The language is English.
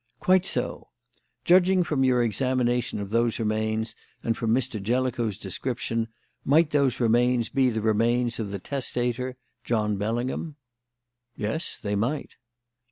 "Quite so. Judging from your examination of those remains and from Mr. Jellicoe's description, might those remains be the remains of the testator, John Bellingham?" "Yes, they might."